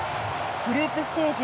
グループステージ